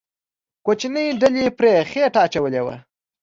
کوچنۍ ډلې پرې خېټه اچولې وه.